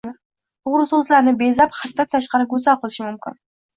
To‘g‘ri, so‘zlarni bezab, haddan tashqari go‘zal qilish mumkin